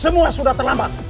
semua sudah terlambat